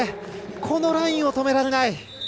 このラインを止められない。